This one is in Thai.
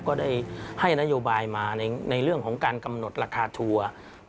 ก็ได้ให้นโยบายมาในเรื่องของการกำหนดราคาทัวร์